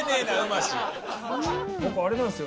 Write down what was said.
僕あれなんですよ。